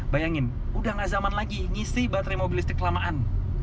bayangin udah gak zaman lagi ngisi baterai mobil listrik lamaan